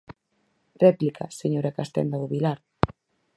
Réplica, señora Castenda do Vilar.